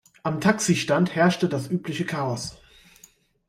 Am Taxistand herrschte das übliche Chaos.